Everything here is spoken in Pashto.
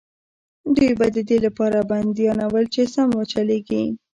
دوی به د دې لپاره بندیانول چې سم وچلېږي.